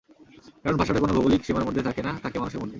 কারণ ভাষাটা কোনো ভৌগোলিক সীমার মধ্যে থাকে না, থাকে মানুষের মধ্যে।